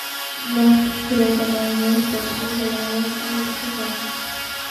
Մառք գրական անունը ստացել է հոր անվան առաջին վանկից։